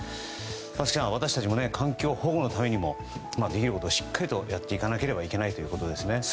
松木さん、私たちも環境保護のためにもできることをしっかりとやっていかなければいけないということですね。